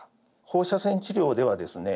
放射線治療ではですね